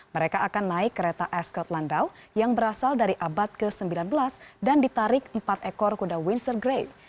mereka akan naik kereta eskot landau yang berasal dari abad ke sembilan belas dan ditarik empat ekor kuda windsor grade